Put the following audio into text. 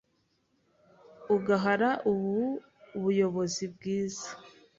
ugahara ubu buyobozi bwiza